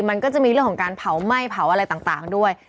มันก็จะมีเรื่องของการเผาไหม้เผาอะไรต่างด้วย